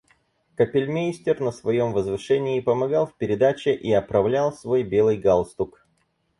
Капельмейстер на своем возвышении помогал в передаче и оправлял свой белый галстук.